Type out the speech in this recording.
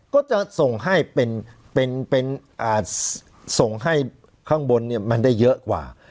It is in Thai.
ก็จะส่งให้เป็นส่งให้ข้างบนมันได้เยอะกว่า